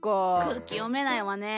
空気読めないわね。